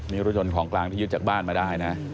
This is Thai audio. นี่รถยนต์ของกลางที่ยึดจากบ้านมาได้นะ